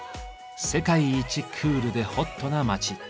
世界一クールでホットな街。